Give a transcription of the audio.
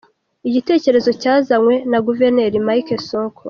Igitegekerezo cyazanywe na Guverineri Mike Sonko.